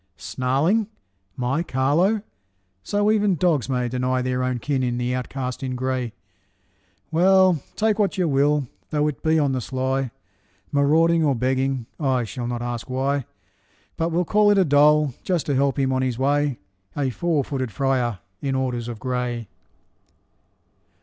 snarling, my Carlo! So even dogs may Deny their own kin in the outcast in gray. Well, take what you will, though it be on the sly, Marauding or begging, I shall not ask why, But will call it a dole, just to help on his way A four footed friar in orders of gray!